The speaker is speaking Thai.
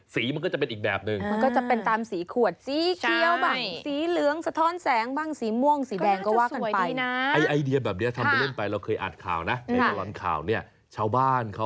สีมันก็จะเป็นอีกแบบหนึ่ง